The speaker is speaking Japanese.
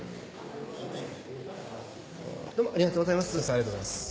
ありがとうございます。